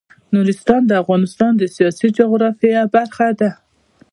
نورستان د افغانستان د سیاسي جغرافیه برخه ده.